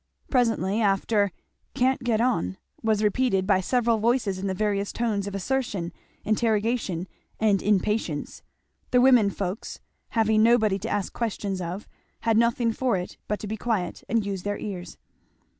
Presently after "Can't get on" was repeated by several voices in the various tones of assertion, interrogation, and impatience. The women folks, having nobody to ask questions of, had nothing for it but to be quiet and use their ears.